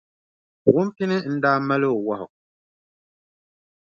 Wumpini n-daa mali o wahu.